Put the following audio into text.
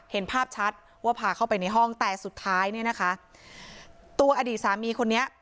เห็นภาพชัดว่าพาเข้าไปในห้องแต่สุดท้ายเนี่ยนะคะตัวอดีตสามีคนนี้